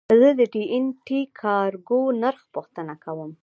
زه د ټي این ټي کارګو نرخ پوښتنه کوم.